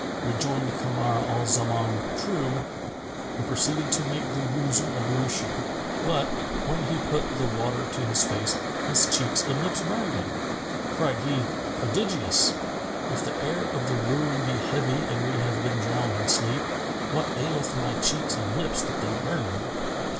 Rejoined Kamar al Zaman, "True," and proceeded to make the Wuzu ablution; but, when he put the water to his face, his cheeks and lips burned him. Cried he, "Prodigious! If the air of the room be heavy and we have been drowned in sleep, what aileth my cheeks and lips that they burn me?"